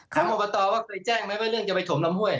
ถามอุปกรณ์ต่อว่าเคยแจ้งไหมว่าเรื่องจะไปถมลำเฮ้ย